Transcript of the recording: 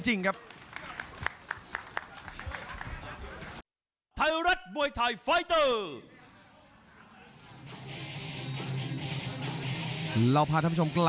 รับทราบบรรดาศักดิ์